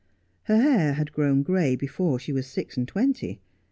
Her hair had grown gray before she was six and twenty.